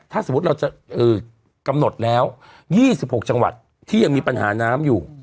ถ้าสมมุติเราจะกำหนดแล้ว๒๖จังหวัดที่ยังมีปัญหาน้ำอยู่